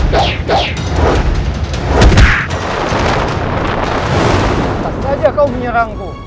tidak saja kau menyerangku